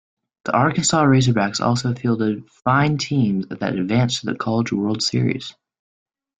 The Arkansas Razorbacks also fielded fine teams that advanced to the College World Series.